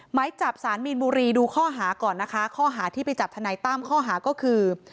หมายจับสารมีนบุรีดูข้อหาก่อนนะคะข้อหาที่ไปจับทนายตั้มข้อหาก็คือ